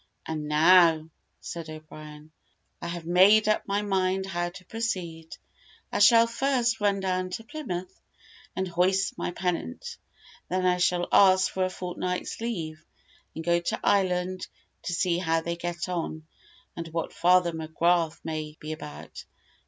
"And now," said O'Brien, "I have made up my mind how to proceed. I shall first run down to Plymouth and hoist my pennant; then I shall ask for a fortnight's leave, and go to Ireland to see how they get on, and what Father McGrath may be about.